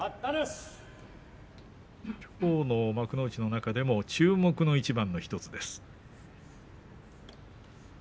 きょうの幕内の中でも注目の一番の１つです。